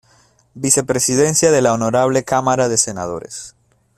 Vicepresidencia de la Honorable Cámara de Senadores.